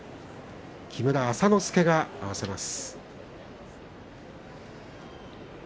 木村朝之助が合わせます。